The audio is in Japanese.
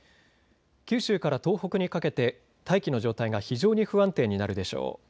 九州から東北にかけて大気の状態が非常に不安定になるでしょう。